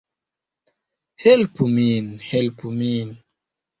Helpu min! Helpu min!